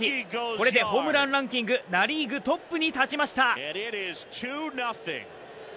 これでホームランランキング、ナ・リーグトップに立ちました。